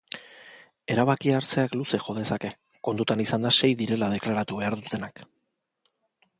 Erabakia hartzeak luze jo dezake, kontutan izanda sei direla deklaratu behar dutenak.